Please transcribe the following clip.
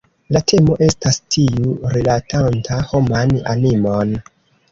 La temo estas tiu rilatanta homan animon.